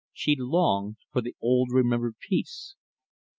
She longed for the old remembered peace.